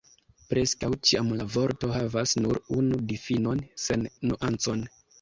Preskaŭ ĉiam la vorto havas nur unu difinon, sen nuancoj.